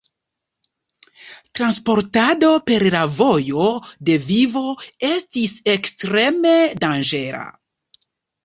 Transportado per la Vojo de Vivo estis ekstreme danĝera.